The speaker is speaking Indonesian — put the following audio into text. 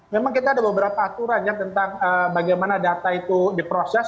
memang kita ada beberapa aturan ya tentang bagaimana data itu diproses